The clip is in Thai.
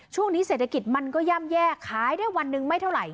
ช่วงนี้เศรษฐกิจมันก็ย่ำแย่ขายได้วันหนึ่งไม่เท่าไหร